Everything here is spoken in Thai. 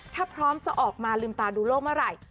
ถ้าพร้อมจะออกมาลืมตาดูโลกเมื่อไหร่